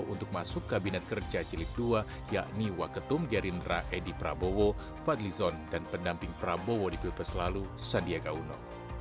untuk masuk kabinet kerja jilid dua yakni waketum gerindra edi prabowo fadlizon dan pendamping prabowo di pilpres lalu sandiaga uno